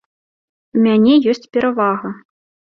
У мяне ёсць перавага!